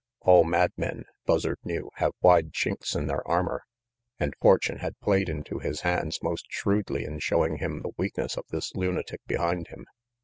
All madmen, Buzzard knew, have wide chinks in their armor, and fortune had played into his hands most shrewdly in showing him the weakness of this lunatic behind him.